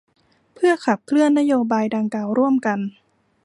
เพื่อขับเคลื่อนนโยบายดังกล่าวร่วมกัน